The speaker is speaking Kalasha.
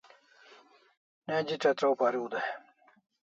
Neji chatraw pariu